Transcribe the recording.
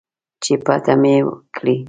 چې پټه مې کړي